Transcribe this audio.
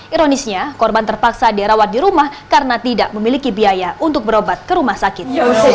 ironisnya korban terpaksa dirawat di rumah karena tidak memiliki biaya untuk berobat ke rumah sakit